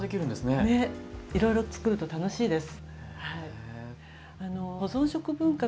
いろいろ作ると楽しいです。